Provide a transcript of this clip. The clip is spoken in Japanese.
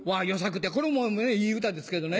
これもいい歌ですけどね。